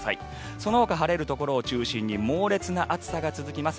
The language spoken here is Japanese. そのほか晴れるところを中心に猛烈な暑さが続きます。